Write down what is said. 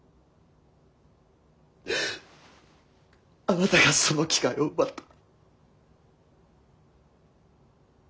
あなたがその機会を奪った。